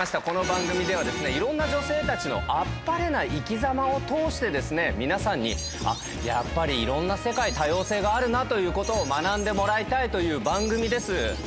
この番組ではいろんな女性たちのアッパレな生き様を通して皆さんにやっぱりいろんな世界多様性があるなということを学んでもらいたいという番組です。